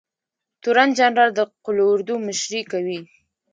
تورن جنرال د قول اردو مشري کوي